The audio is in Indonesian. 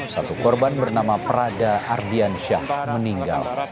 satu korban bernama prada ardiansyah meninggal